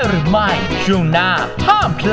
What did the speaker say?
มันเฮาปะเตียวหมูเฮาเก็บเกียว